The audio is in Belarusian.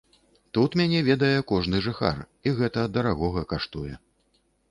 Тут мяне ведае кожны жыхар, і гэта дарагога каштуе.